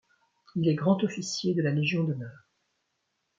Il est grand officier de la Légion d’honneur.